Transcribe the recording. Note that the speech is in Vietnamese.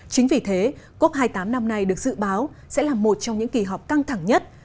chính vì thế cop hai mươi tám năm nay được dự báo sẽ là một trong những kỳ họp căng thẳng nhất